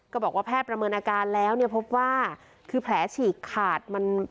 บอกว่าแพทย์ประเมินอาการแล้วเนี่ยพบว่าคือแผลฉีกขาดมัน